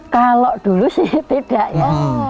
kalau dulu sih tidak ya